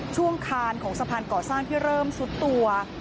คานของสะพานก่อสร้างที่เริ่มซุดตัว